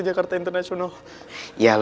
ukrainya ga bisa biar misi gue toxic hm